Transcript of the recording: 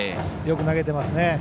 よく投げていますね。